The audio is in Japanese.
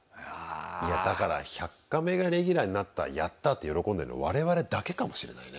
いやだから「１００カメ」がレギュラーになったやった！って喜んでるの我々だけかもしれないね。